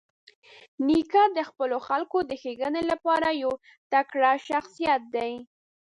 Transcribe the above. نیکه د خپلو خلکو د ښېګڼې لپاره یو تکړه شخصیت دی.